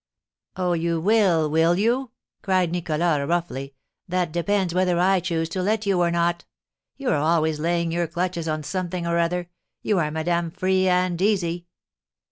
"Oh, you will, will you?" cried Nicholas, roughly; "that depends whether I choose to let you or not. You are always laying your clutches on something or other; you are Madame Free and Easy!"